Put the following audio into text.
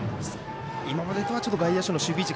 今までとは外野手の守備位置